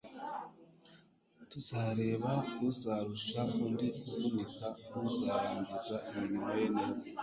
tuzarebe uzarusha undi kuvunika n'uzarangiza imirimo ye neza